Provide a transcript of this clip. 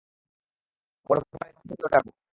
পরোপকারী মানুষটাকেও ডাকো।